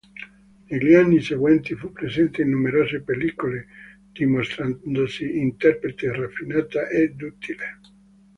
Negli anni seguenti fu presente in numerose pellicole, dimostrandosi interprete raffinata e duttile.